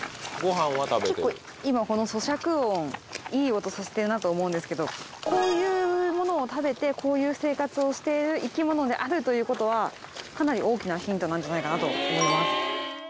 結構今そしゃく音いい音させてるなと思うんですけどこういうものを食べてこういう生活をしている生き物であるということはかなり大きなヒントなんじゃないかなと思います。